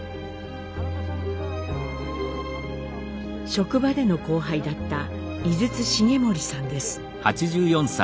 職場での後輩だった井筒重盛さんです。